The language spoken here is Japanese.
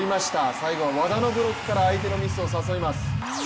最後は和田のブロックから相手のミスを誘います。